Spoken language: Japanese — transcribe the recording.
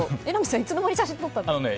いつの間に写真撮ったんですか？